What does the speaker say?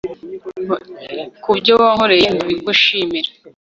kubyo wankoreye nda bigushimira